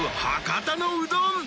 博多のうどん